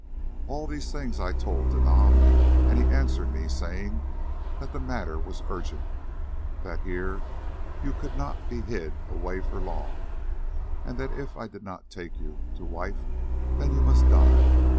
All these things I told to Nam, and he answered me saying that the matter was urgent, that here you could not be hid away for long, and that if I did not take you to wife then you must die.